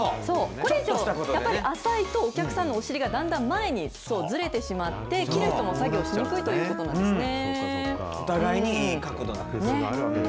これ以上浅いと、お客さんが前にずれてしまって、切る人も作業しにくいということなんですね。